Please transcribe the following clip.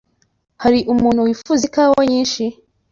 Hari umuntu wifuza ikawa nyinshi?